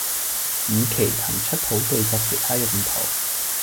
以期騰出土地作其他用途